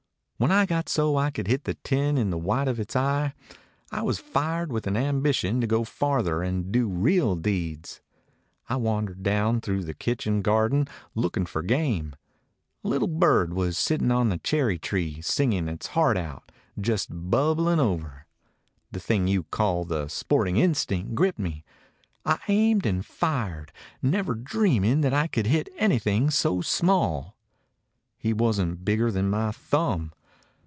When I got so I could hit the tin in the white 185 DOG HEROES OF MANY LANDS of its eye, I was fired with an ambition to go farther and do real deeds. "I wandered down through the kitchen gar den, looking for game. A little bird was sit ting on a cherry tree, singing its heart out — just bubbling over. The thing you call the sporting instinct gripped me. I aimed and fired, never dreaming that I could hit any thing so small; he wasn't bigger than my thumb.